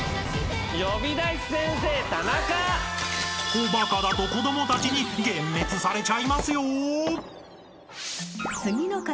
［おバカだと子供たちに幻滅されちゃいますよ］